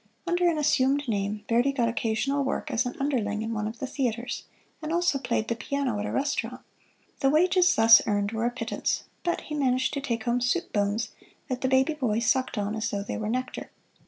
Under an assumed name Verdi got occasional work as an underling in one of the theaters, and also played the piano at a restaurant. The wages thus earned were a pittance, but he managed to take home soup bones that the baby boy sucked on as though they were nectar.